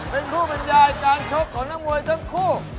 เป็นผู้บรรยายการชกของนักมวยทั้งคู่